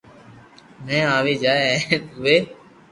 ۾ آوي جائي ھي ھين اووي